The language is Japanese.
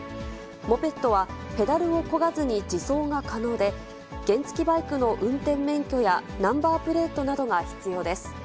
モペットはペダルをこがずに自走が可能で、原付きバイクの運転免許やナンバープレートなどが必要です。